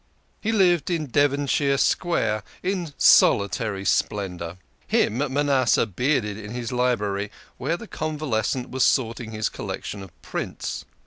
He lived in Devon shire Square, in solitary splendour. Him Manasseh bearded in his library, where the convalescent was sorting his collec tion of prints.